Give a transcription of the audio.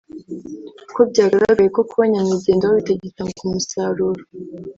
kuko byagaragaye ko kuba nyamwigendaho bitagitanga umusaruro”